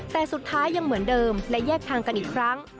แต่สุดท้ายยังเหมือนเดิมและแยกทางกันอีกครั้ง